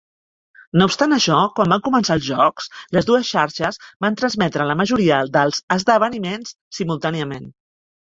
No obstant això, quan van començar els Jocs, les dues xarxes van transmetre la majoria dels esdeveniments simultàniament.